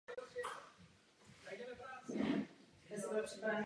Bezpečnost dětí vyžaduje ze strany Komise okamžité opatření.